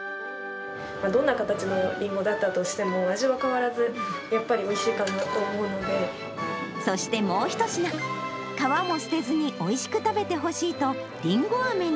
どんな形のりんごだったとしても、味は変わらず、やっぱりおそしてもう一品、皮も捨てずに、おいしく食べてほしいと、りんごあめに。